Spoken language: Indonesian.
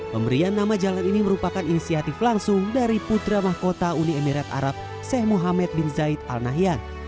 pemberian nama jalan ini merupakan inisiatif langsung dari putra mahkota uni emirat arab sheikh muhammad bin zaid al nahyan